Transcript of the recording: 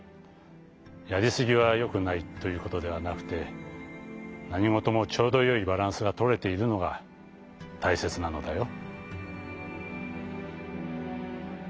やり過ぎはよくないということではなくて何ごともちょうどよいバランスがとれているのがたいせつなのだよ」。